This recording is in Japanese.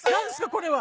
これは。